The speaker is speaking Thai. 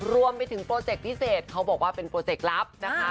รวมไปถึงโปรเจคพิเศษเขาบอกว่าเป็นโปรเจกต์ลับนะคะ